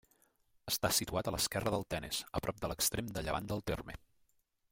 Està situat a l'esquerra del Tenes, a prop de l'extrem de llevant del terme.